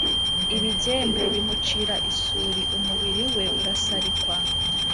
ibigembe bimucira isuli, umubili we urasalikwa,